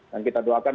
dan kita doakan